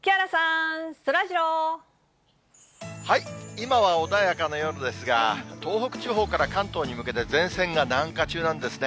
今は穏やかな夜ですが、東北地方から関東に向けて前線が南下中なんですね。